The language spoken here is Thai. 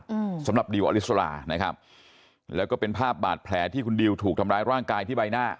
อืมสำหรับดิวอลิสรานะครับแล้วก็เป็นภาพบาดแผลที่คุณดิวถูกทำร้ายร่างกายที่ใบหน้า